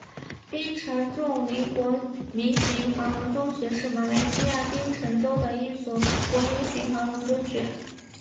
槟城锺灵国民型华文中学是马来西亚槟城州的一所国民型华文中学。